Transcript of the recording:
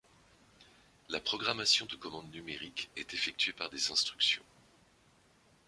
La programmation de commande numérique est effectuée par des instructions.